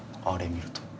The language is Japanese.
あれ見ると。